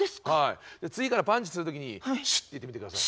次からパンチする時に「シュッ」って言ってみて下さい。